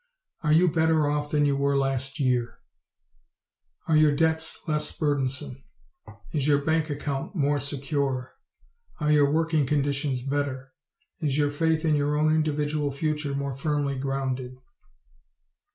Are you better off than you were last year? Are your debts less burdensome? Is your bank account more secure? Are your working conditions better? Is your faith in your own individual future more firmly grounded?